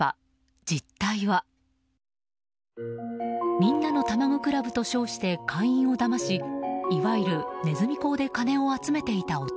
みんなのたまご倶楽部と称して会員をだましいわゆるねずみ講で金を集めていた男。